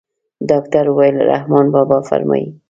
ډاکتر وويل رحمان بابا فرمايي.